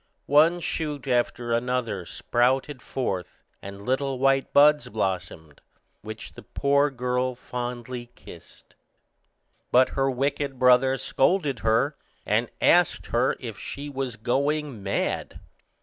One shoot after another sprouted forth, and little white buds blossomed, which the poor girl fondly kissed. But her wicked brother scolded her, and asked her if she was going mad.